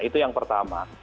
itu yang pertama